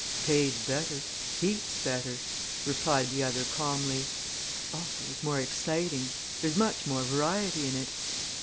"Pays better heaps better," replied the other calmly. "Also, it's more exciting there's much more variety in it.